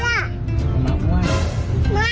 ไม่ใช่